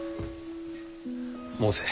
申せ。